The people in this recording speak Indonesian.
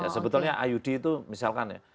sebetulnya iud itu misalkan ya